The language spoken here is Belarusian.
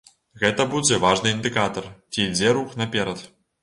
Гэта будзе важны індыкатар, ці ідзе рух наперад.